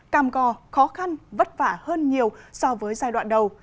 càm co khó khăn vất vả hơn nhiều so với giai đoạn đầu